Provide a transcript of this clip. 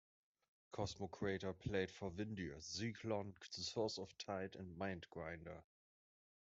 Cosmocrator played for Windir, Zyklon, Source of Tide and Mindgrinder.